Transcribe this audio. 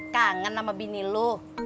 kangen sama bini lu